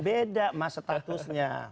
beda mas statusnya